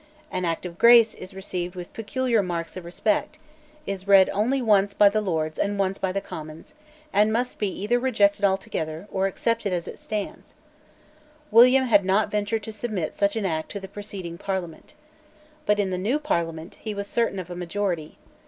An Act of Grace is received with peculiar marks of respect, is read only once by the Lords and once by the Commons, and must be either rejected altogether or accepted as it stands, William had not ventured to submit such an Act to the preceding Parliament. But in the new Parliament he was certain of a majority.